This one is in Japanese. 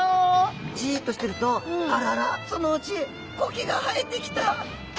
じっとしてるとあららそのうちコケが生えてきた。